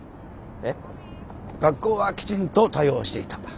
学校はきちんと対応をしていた。